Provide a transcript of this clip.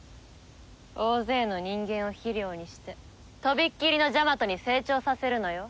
大勢の人間を肥料にしてとびっきりのジャマトに成長させるのよ。